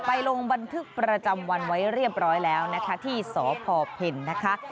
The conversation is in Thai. ลงบันทึกประจำวันไว้เรียบร้อยแล้วนะคะที่สพเพ็ญนะคะ